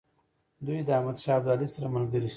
دوی د احمدشاه ابدالي سره ملګري شي.